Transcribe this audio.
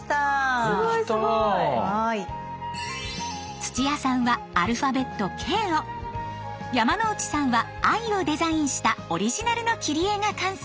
土屋さんはアルファベット「Ｋ」を。山之内さんは「Ｉ」をデザインしたオリジナルの切り絵が完成。